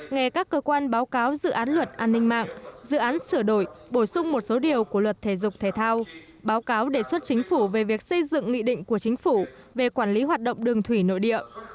nghe các cơ quan báo cáo dự án luật an ninh mạng dự án sửa đổi bổ sung một số điều của luật thể dục thể thao báo cáo đề xuất chính phủ về việc xây dựng nghị định của chính phủ về quản lý hoạt động đường thủy nội địa